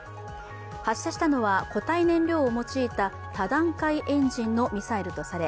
発射したのは固体燃料を用いた多段階エンジンのミサイルとされ